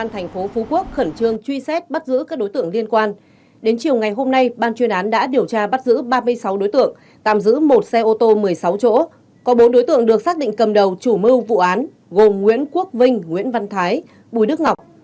ban truyền án đã truy xét bắt giữ thêm bảy đối tượng trong đó có bốn đối tượng cầm đầu chủ mưu trong vụ án giết người gây dối trật tự công cộng xảy ra vào ngày hai mươi bảy tháng một mươi vừa qua